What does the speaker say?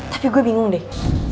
tapi gue bingung deh